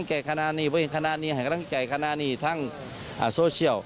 เกนนี้นี้ทั้งประสิทธิการ